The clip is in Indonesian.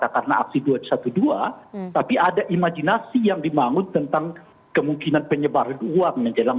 karena aksi dua ratus dua belas tapi ada imajinasi yang dimangun tentang kemungkinan penyebaran uang yang jelang